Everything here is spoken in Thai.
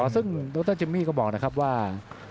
ซึ่งดรจิมมี่ก็บอกนะครับว่า